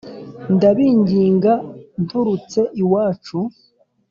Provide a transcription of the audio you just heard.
Ndabinginga nturutse iwacu